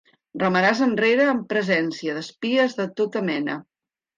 Remaràs enrere en presència d'espies de tota mena.